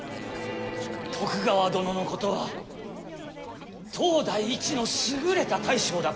徳川殿のことは当代一の優れた大将だと思うておる。